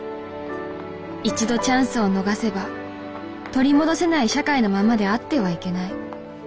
一度チャンスを逃せば取り戻せない社会のままであってはいけない。